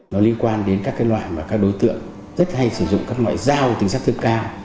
nó liên quan đến các loại mà các đối tượng rất hay sử dụng các loại dao tính sát thương cao